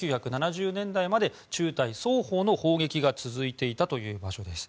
１９７０年代まで中台双方の砲撃が続いていたという場所です。